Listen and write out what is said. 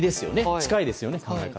近いですよね。